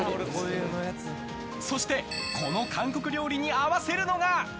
そして、この韓国料理に合わせるのが。